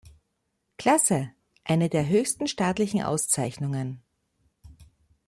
Klasse, eine der höchsten staatlichen Auszeichnungen.